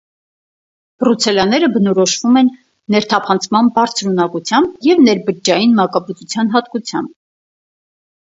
Բրուցելաները բնորոշվում են ներթափանցման բարձր ունակությամբ և ներբջջային մակաբուծության հատկությամբ։